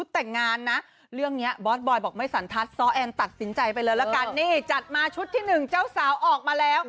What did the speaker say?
ตามมาติดเลยค่ะซ้อขา